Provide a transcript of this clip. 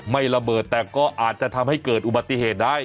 ระเบิดแต่ก็อาจจะทำให้เกิดอุบัติเหตุได้